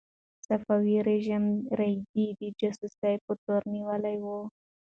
صفوي رژیم رېدی د جاسوسۍ په تور نیولی و.